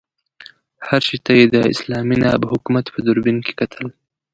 هر شي ته یې د اسلامي ناب حکومت په دوربین کې کتل.